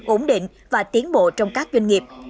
ổn định và tiến bộ trong các doanh nghiệp